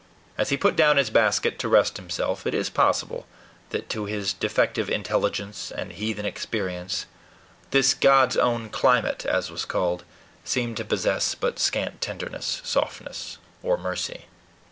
As he put down his basket to rest himself, it is possible that, to his defective intelligence and heathen experience, this "God's own climate," as was called, seemed to possess but scant tenderness, softness, or mercy.